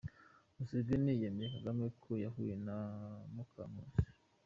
Museveni yemereye Kagame ko yahuye na Mukankusi